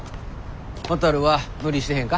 ほたるは無理してへんか？